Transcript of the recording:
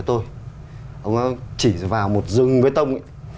ông ấy chỉ vào một rừng bê tông